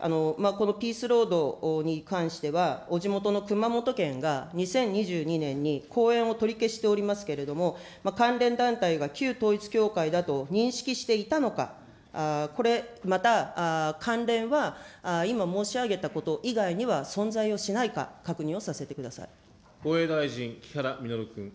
このピースロードに関しては、地元の熊本県が２０２２年に後援を取り消しておりますけれども、関連団体は旧統一教会だと認識していたのか、これ、また関連は今申し上げたこと以外には存在をしないか、確認をさせ防衛大臣、木原稔君。